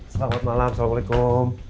selamat malam assalamualaikum